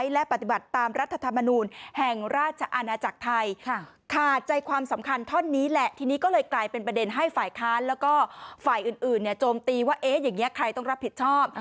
แล้วก็ฝ่ายอื่นโจมตีว่าเอ๊ะอย่างนี้ใครต้องรับผิดชอบ